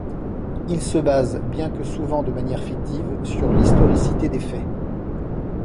Il se base, bien que souvent de manière fictive, sur l'historicité des faits.